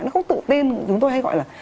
nó không tự tin chúng tôi hay gọi là